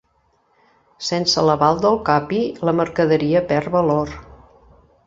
Sense l'aval del Capi, la mercaderia perd valor.